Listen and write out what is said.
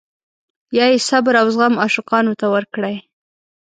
یا یې صبر او زغم عاشقانو ته ورکړی.